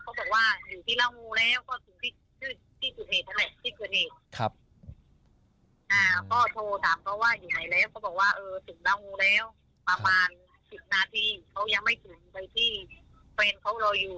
ประมาณสิบนาทีเขายังไม่ถึงไปที่เพื่อนเขารออยู่